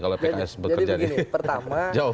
jadi begini pertama